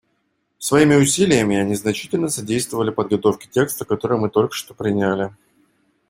Своими усилиями они значительно содействовали подготовке текста, который мы только что приняли.